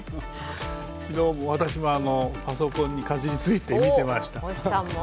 昨日も私もパソコンにかじりついて見てました。